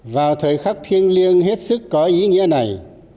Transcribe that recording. vào thời khắc thiêng liêng hết sức có ý nghĩa này